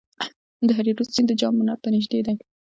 د هریرود سیند د جام منار ته نږدې دی